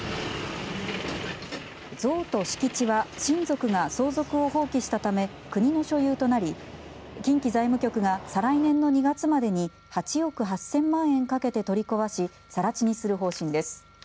像と敷地は親族が相続を放棄したため国の所有となり近畿財務局が再来年の２月までに８億８０００万円かけて取り壊しさら地にする方針です。